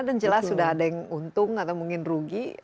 dan jelas sudah ada yang untung atau mungkin rugi